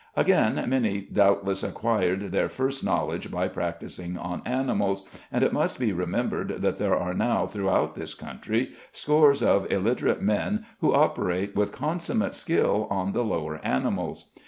Again, many doubtless acquired their first knowledge by practising on animals, and it must be remembered that there are now throughout this country scores of illiterate men who operate with consummate skill on the lower animals.